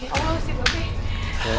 ya allah si bebe